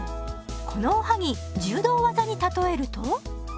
このおはぎ柔道技に例えると？